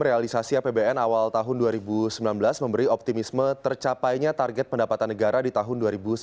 realisasi apbn awal tahun dua ribu sembilan belas memberi optimisme tercapainya target pendapatan negara di tahun dua ribu sembilan belas